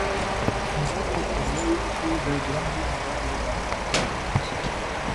He won the silver medal in the team event.